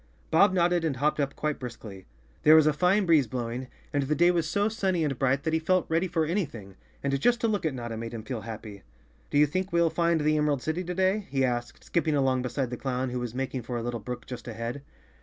^^jBob nodded and hopped up quite briskly. There was a fine breeze blowing, and the day was so sunny and bright that he felt ready for anything, and just to look at Notta made him feel happy. "Do you think we'll find the Emerald City to day?" he asked, skipping along beside the clown, who was making for a little brook just ahead.